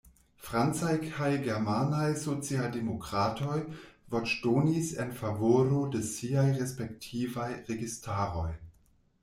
Francaj kaj germanaj socialdemokratoj voĉdonis en favoro de siaj respektivaj registaroj.